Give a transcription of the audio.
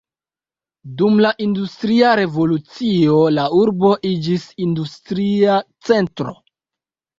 Dum la industria revolucio la urbo iĝis industria centro.